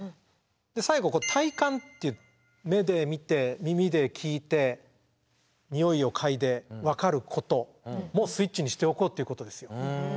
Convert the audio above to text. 最後「体感」って目で見て耳で聞いてにおいを嗅いで分かることもスイッチにしておこうっていうことですよ。